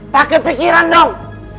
pakai pikiran dong